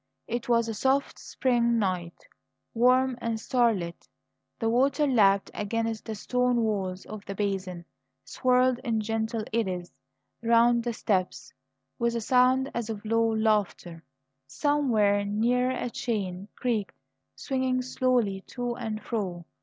It was a soft spring night, warm and starlit. The water lapped against the stone walls of the basin and swirled in gentle eddies round the steps with a sound as of low laughter. Somewhere near a chain creaked, swinging slowly to and fro.